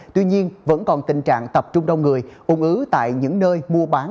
tuy nhiên vẫn còn tình trạng tập trung đông người ung ứ tại những nơi mua bán